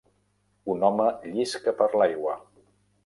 Un home llisca per l'aigua.